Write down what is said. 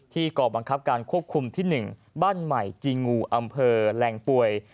ก่อบังคับการควบคุมที่๑บ้านใหม่จีงูอำเภอแรงป่วย